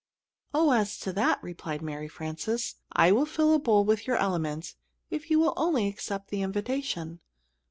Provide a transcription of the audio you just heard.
"Oh, as to that," replied Mary Frances, "I will fill a bowl with your element, if you will only accept the invitation."